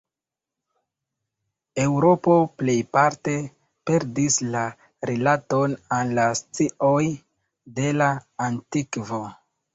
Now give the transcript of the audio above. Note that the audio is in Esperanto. Eŭropo plejparte perdis la rilaton al la scioj de la antikvo.